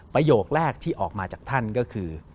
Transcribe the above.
ประโยคแรกที่ออกมาจากท่านก็คือ